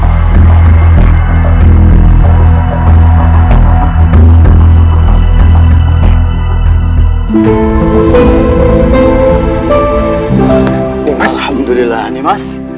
nimas alhamdulillah nimas